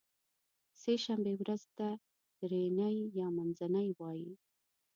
سې شنبې ورځې ته درینۍ یا منځنۍ وایی